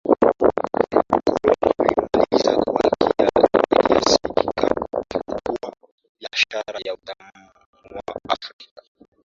Ukoloni ulimaliza kwa kiasi kikubwa biashara ya Utumwa Afrika